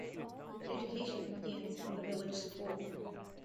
Education begins in the village school.